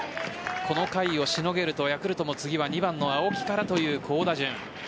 この回をしのげるとヤクルトは次の２番の青木からという好打順。